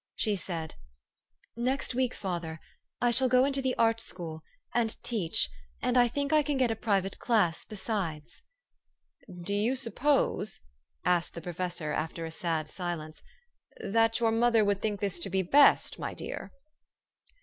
She said, "Next week, father, I shall go into the Art School, and teach, and I think I can get a private class besides.'* " Do you suppose," asked the professor after a sad silence, " that your mother would think this to be best, my dear?"